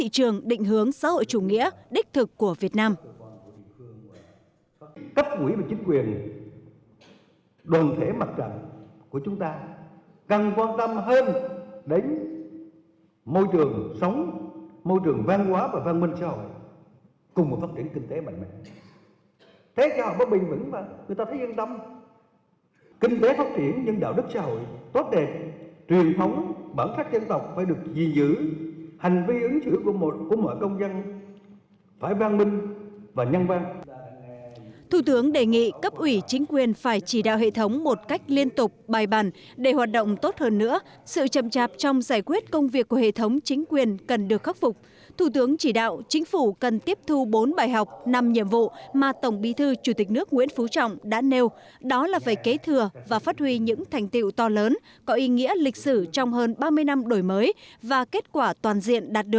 chúng ta đề ra thêm mục tiêu không đánh đổi môi trường văn hóa và văn minh xã hội lấy kinh tế đây mới là kinh tế thị trường định hướng xã hội chủ nghĩa đích thực của việt nam